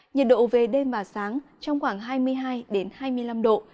nhận độ về đêm và sáng trong khoảng hai mươi hai đến hai mươi năm độ